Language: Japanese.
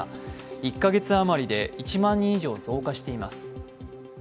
１か月あまりで１万人以上増加しています。